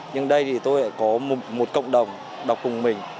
nhưng đây thì tôi có một cộng đồng đọc cùng mình